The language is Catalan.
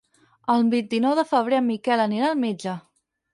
El vint-i-nou de febrer en Miquel anirà al metge.